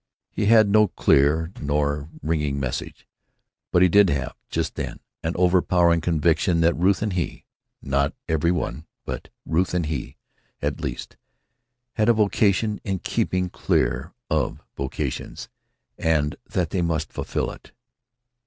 He had no clear nor ringing message, but he did have, just then, an overpowering conviction that Ruth and he—not every one, but Ruth and he, at least—had a vocation in keeping clear of vocations, and that they must fulfil it.